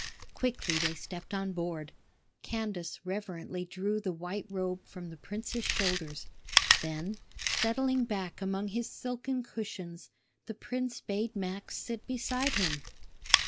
Quickly they stepped on board. Candace reverently drew the white robe from the prince's shoulders; then, settling back among his silken cushions, the prince bade Max sit beside him.